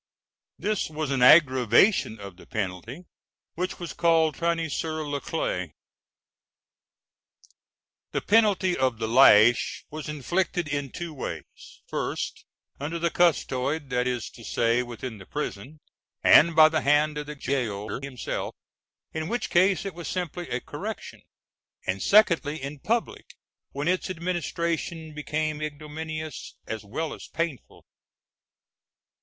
This was an aggravation of the penalty, which was called traîner sur la claie. The penalty of the lash was inflicted in two ways: first, under the custode, that is to say within the prison, and by the hand of the gaoler himself, in which case it was simply a correction; and secondly, in public, when its administration became ignominious as well as painful.